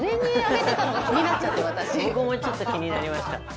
僕もちょっと気になりました。